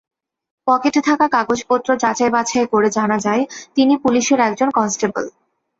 পকেটে থাকা কাগজপত্র যাচাই-বাছাই করে জানা যায়, তিনি পুলিশের একজন কনস্টেবল।